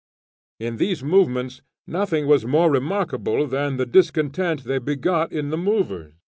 In these movements nothing was more remarkable than the discontent they begot in the movers.